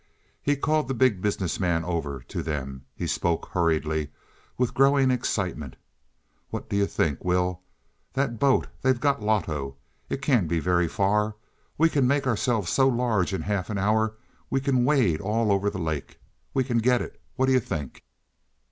He called the Big Business Man over to them; he spoke hurriedly, with growing excitement. "What do you think, Will? That boat they've got Loto it can't be very far. We can make ourselves so large in half an hour we can wade all over the lake. We can get it. What do you think?"